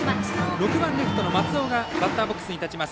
６番、レフトの松尾がバッターボックスに立ちます。